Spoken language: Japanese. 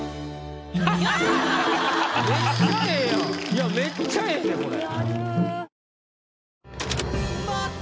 いやめっちゃええでこれ。